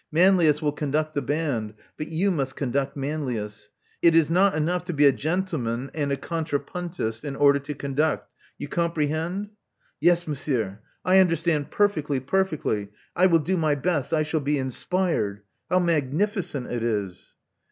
Manlius will conduct the band; but you must conduct Manlius. It is not enough to be a gentleman and a contrapuntist in order to conduct. You comprehend?" *'Yes, Monsieur; I understand perfectly, perfectly. I will do my best. I shall be inspired. How mag nificent it is!"